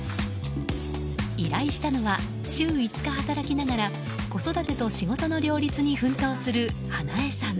依頼したのは、週５日働きながら子育てと仕事の両立に奮闘する英恵さん。